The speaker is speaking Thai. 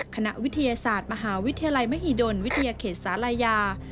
คณะวิทยาศาสตร์มหาวิทยาลัยมหิดลวิทยาเขตศาลายา